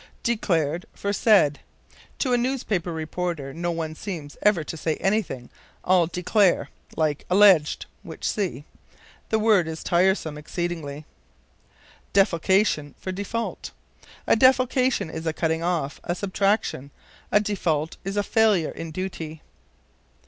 Declared for Said. To a newspaper reporter no one seems ever to say anything; all "declare." Like "alleged" (which see) the word is tiresome exceedingly. Defalcation for Default. A defalcation is a cutting off, a subtraction; a default is a failure in duty.